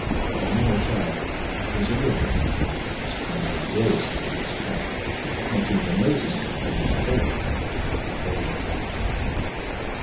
The marechal was a liberal, and was quite engrossed in this fight, not even noticing the misfortune that had befallen him.